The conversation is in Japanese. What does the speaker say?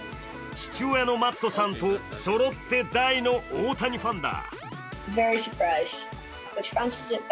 父親のマットさんとそろって大の大谷ファンだ。